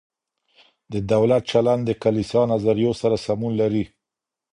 د دولت چلند د کلیسا نظریو سره سمون لري.